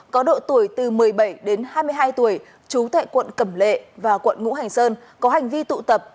có độ tuổi từ một mươi bảy đến hai mươi hai tuổi trú tại quận cẩm lệ và quận ngũ hành sơn có hành vi tụ tập